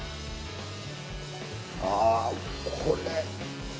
ああこれ！